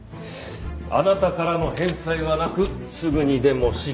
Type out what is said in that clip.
あなたからの返済はなくすぐにでも執行をと言われてます。